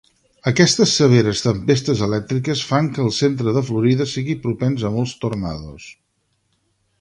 Aquestes severes tempestes elèctriques fan que el centre de Florida sigui propens a molts tornados.